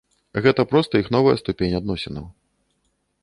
Гэта проста іх новая ступень адносінаў.